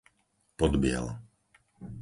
Podbiel